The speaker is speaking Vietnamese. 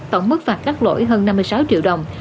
tổng mức phạt các lỗi hơn năm mươi sáu triệu đồng